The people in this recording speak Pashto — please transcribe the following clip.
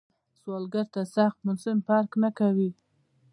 سوالګر ته سخت موسم فرق نه کوي